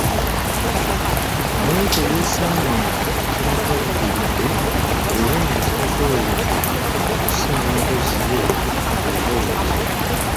Mu ekyo yeesanga nga kimukaluubiridde era nga kimuzitooweredde okusinga mpozzi ye bwe yalowooza.